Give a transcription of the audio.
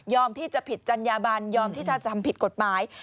ยอมที่จะผิดจรรยาบรรย์ยอมที่จะทำผิดกฎหมาย